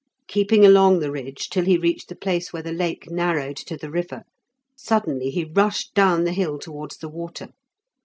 Keeping along the ridge till he reached the place where the lake narrowed to the river, suddenly he rushed down the hill towards the water.